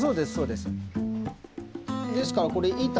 ですからこれ板。